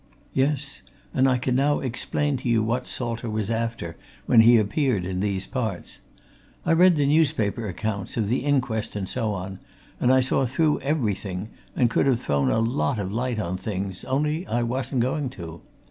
"Yes and I can now explain to you what Salter was after when he appeared in these parts. I read the newspaper accounts, of the inquest and so on, and I saw through everything, and could have thrown a lot of light on things, only I wasn't going to.